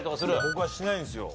僕はしないんですよ。